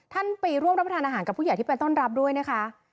ท่านไปร่วมรับประทานอาหารกับผู้ใหญ่ที่เป็นต้นรับด้วยนะคะ